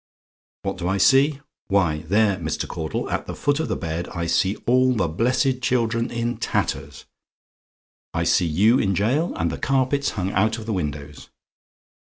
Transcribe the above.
"WHAT DO I SEE? "Why, there, Mr. Caudle, at the foot of the bed, I see all the blessed children in tatters I see you in a gaol, and the carpets hung out of the windows.